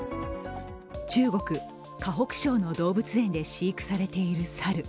中国・河北省の動物園で飼育されている猿。